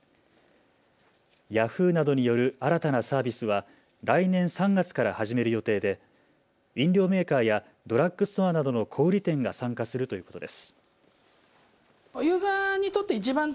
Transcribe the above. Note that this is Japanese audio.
ヤフーなどによる新たなサービスは来年３月から始める予定で飲料メーカーやドラッグストアなどの小売店が参加するということです。